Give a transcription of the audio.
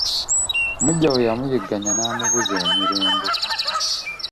Muggya we yamuyigganya n'amubuza emirembe.